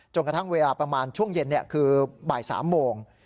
กระทั่งเวลาประมาณช่วงเย็นคือบ่าย๓โมง